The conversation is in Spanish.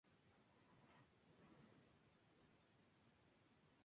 Es una de las especies más raras de pelícanos del mundo.